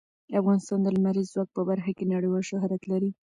افغانستان د لمریز ځواک په برخه کې نړیوال شهرت لري.